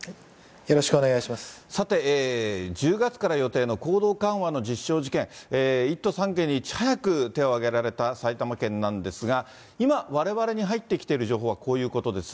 さて、１０月から予定の行動緩和の実証実験、１都３県でいち早く手を挙げられた埼玉県なんですが、今、われわれに入ってきている情報はこういうことです。